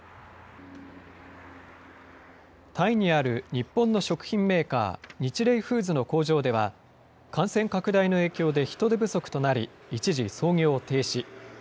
タイにある日本の食品メーカー、ニチレイフーズの工場では、感染拡大の影響で人手不足となり、一時、操業を停止。